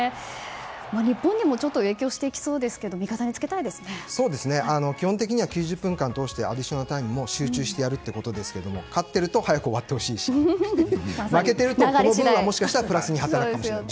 日本にも影響してきそうですけど基本的には９０分間通してアディショナルタイムも集中してやるってことですが勝ってると早く終わってほしいし負けてるとこの分はもしかしたらプラスに働くかもしれない。